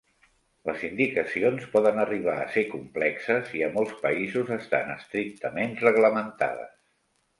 Les indicacions poden arribar a ser complexes i a molts països estan estrictament reglamentades.